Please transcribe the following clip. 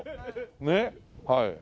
ねっはい。